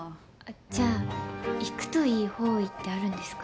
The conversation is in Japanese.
じゃあ行くと良い方位ってあるんですか？